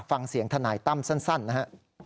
ฟังเสียงธนายตั้มสั้นนะฮะ